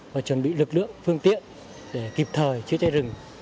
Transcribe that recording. và chuẩn bị lực lượng phương tiện để kịp thời chữa cháy rừng